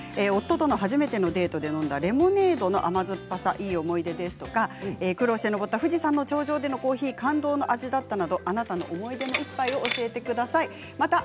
夫との初めてのデートで飲んだレモネードの甘酸っぱさはいい思い出です、や苦労して登った富士山の頂上でのコーヒーは感動の味だったなどあなたの思い出での１杯教えてください。